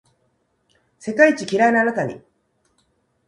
世界一キライなあなたに